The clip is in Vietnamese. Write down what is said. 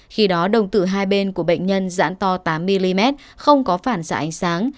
khi đó đồng tử hai bên của bệnh nhân giãn to tám mm không có phản xạ ánh sáng